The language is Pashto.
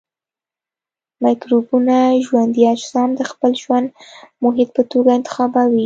مکروبونه ژوندي اجسام د خپل ژوند محیط په توګه انتخابوي.